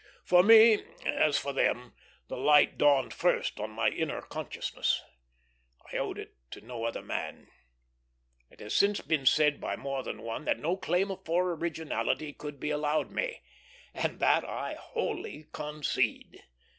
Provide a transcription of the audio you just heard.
For me, as for them, the light dawned first on my inner consciousness; I owed it to no other man. It has since been said by more than one that no claim for originality could be allowed me; and that I wholly concede.